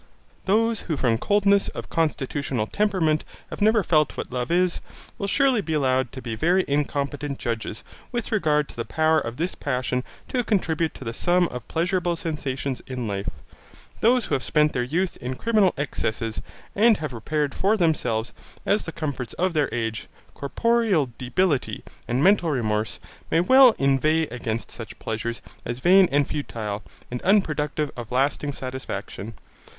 Those who from coldness of constitutional temperament have never felt what love is, will surely be allowed to be very incompetent judges with regard to the power of this passion to contribute to the sum of pleasurable sensations in life. Those who have spent their youth in criminal excesses and have prepared for themselves, as the comforts of their age, corporeal debility and mental remorse may well inveigh against such pleasures as vain and futile, and unproductive of lasting satisfaction.